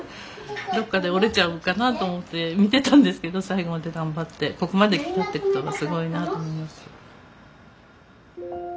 どっかで折れちゃうんかなと思って見てたんですけど最後まで頑張ってここまで来たってことはすごいなと思います。